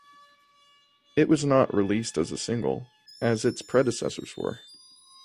It was not released as a single, as its predecessors were.